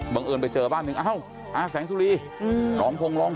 บังเอิญไปเจอบ้านหนึ่ง